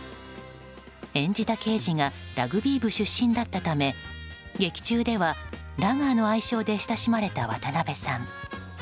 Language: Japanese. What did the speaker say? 演じた刑事がラグビー部出身だったため劇中ではラガーの愛称で親しまれた渡辺さん。